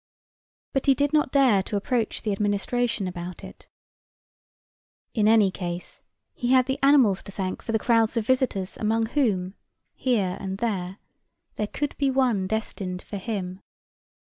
But he did not dare to approach the administration about it. In any case, he had the animals to thank for the crowds of visitors among whom, here and there, there could be one destined for him.